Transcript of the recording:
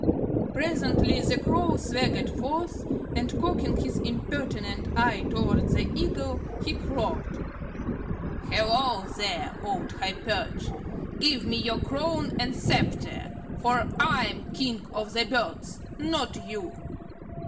Presently the Crow swaggered forth, and cocking his impertinent eye towards the Eagle he croaked, "Hello there, Old High perch! Give me your crown and sceptre, for I am King of the Birds, not you.